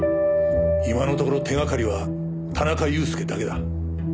今のところ手がかりは田中裕介だけだ。